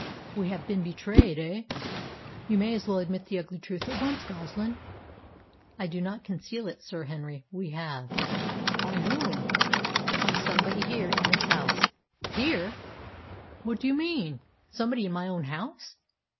"We have been betrayed, eh? You may as well admit the ugly truth at once, Goslin!" "I do not conceal it, Sir Henry. We have." "By whom?" "By somebody here in this house." "Here! What do you mean? Somebody in my own house?"